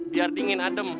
biar dingin adem